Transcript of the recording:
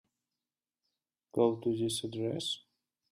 Go to this address.